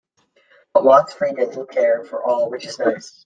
But wants free dental care for all, which is nice.